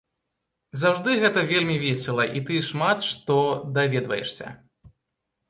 Заўжды гэта вельмі весела, і ты шмат што даведваешся.